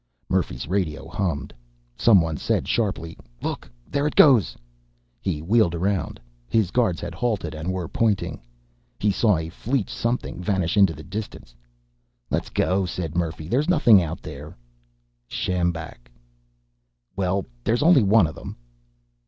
Murphy's radio hummed. Someone said sharply, "Look! There it goes!" He wheeled around; his guards had halted, and were pointing. He saw a fleet something vanishing into the distance. "Let's go," said Murphy. "There's nothing out there." "Sjambak." "Well, there's only one of them."